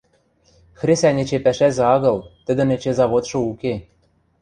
Хресӓнь эче пӓшӓзӹ агыл, тӹдӹн эче заводшы уке...